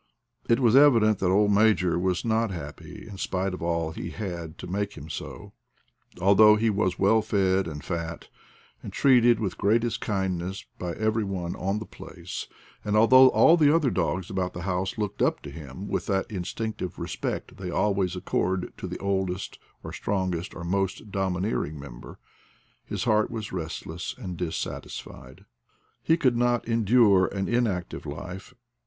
It was evident that old Major was not happy, in spite of all he had to make him so : although he was well fed and fat, and treated with the great est kindness by every one on the place, and al 62 IDLE DAYS IN PATAGONIA though all the other dogs about the house looked up to him with that instinctive respect they al ways accord to the oldest, or strongest, or most domineering member, his heart was restless and dissatisfied. He could not endure an inactive life.